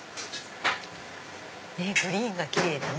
グリーンがキレイだね！